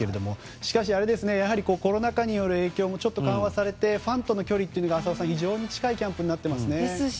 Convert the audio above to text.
しかし、コロナ禍による影響もちょっと緩和されてファンとの距離が非常に近いキャンプになっていますね。